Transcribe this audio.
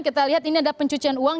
kita lihat ini ada pencucian uang